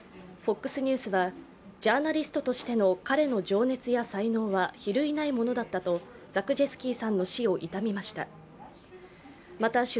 ＦＯＸニュースはジャーナリストとしての彼の情熱や才能は比類ないものだったとザクジェスキーさんの死を悼みました。